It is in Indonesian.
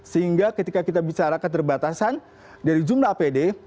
sehingga ketika kita bicara keterbatasan dari jumlah apd